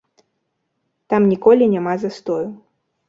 Там ніколі няма застою.